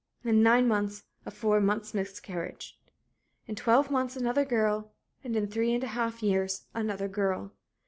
In nine months a four months' miscarriage. In twelve months another girl, and in three and a half years another girl.